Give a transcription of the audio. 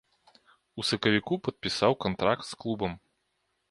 У сакавіку падпісаў кантракт з клубам.